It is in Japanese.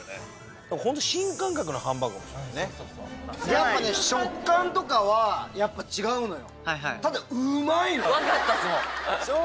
やっぱね食感とかは違うのよ。